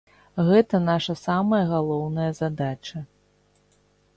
Гэта наша самая галоўная задача.